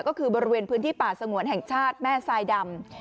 ก็คือบริเวณพื้นที่ป่าสงวนแห่งชาติแม่ทรายดำ